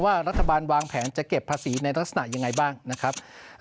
ว่ารัฐบาลวางแผนจะเก็บภาษีในลักษณะยังไงบ้างนะครับ